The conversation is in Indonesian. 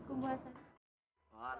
untuk bisa berangkat ke tanah suci